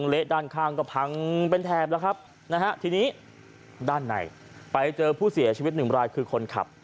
เละด้านข้างก็พังเป็นแถบแล้วครับนะฮะทีนี้ด้านในไปเจอผู้เสียชีวิตหนึ่งรายคือคนขับ